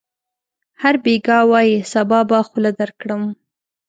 هر بېګا وايي: صبا به خوله درکړم.